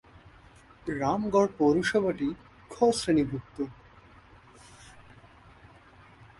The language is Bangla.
রামগড় পৌরসভাটি 'খ' শ্রেণিভুক্ত।